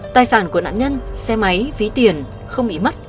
tài sản của nạn nhân xe máy phí tiền không bị mất